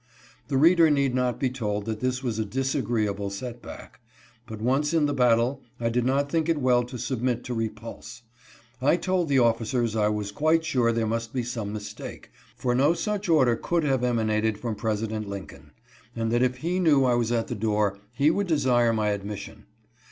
The reader need not be told that this was a disagreeable set back. But once in the battle, I did not think it well to submit to repulse. I told the officers I was quite sure there must be some mistake, for no such order could have emanated from President Lincoln; and that if he knew I was at the door he would desire my admission.